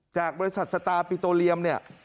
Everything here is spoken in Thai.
จากบริษัทสตาปิโตเลียม